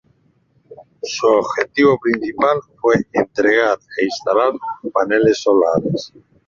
Su objetivo principal fue entregar e instalar paneles solares.